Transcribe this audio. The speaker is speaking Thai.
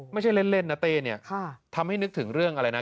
ไม่ใช่เล่นนะเต้เนี่ยทำให้นึกถึงเรื่องอะไรนะ